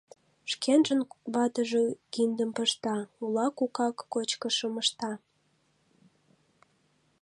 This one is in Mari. Шкенжын ватыже киндым пышта, улак-укак кочкышым ышта.